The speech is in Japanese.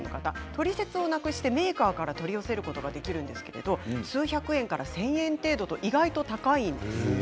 トリセツをなくしてメーカーから取り寄せることができるんですが数百円から１０００円程度と意外と高いんです。